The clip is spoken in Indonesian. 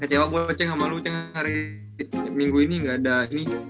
kecewa gue ceng sama lu ceng hari minggu ini gak ada ini